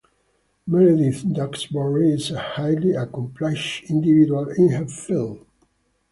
Meredith Duxbury is a highly accomplished individual in her field.